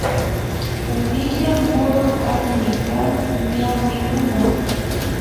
Uvilla muru allimikan ñawi luna.